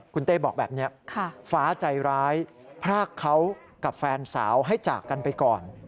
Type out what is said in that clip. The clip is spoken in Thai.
คุณเต้บอกแบบนี้ฟ้าใจร้ายพรากเขากับแฟนสาวให้จากกันไปก่อน